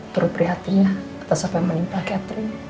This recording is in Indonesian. terperhatinya atas apa yang menimpa catherine